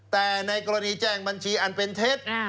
แต่ในกรณีแจ้งบัญชีอันเป็นเท็จ